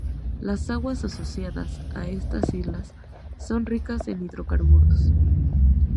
Las Aguas asociadas a estas islas son ricas en hidrocarburos.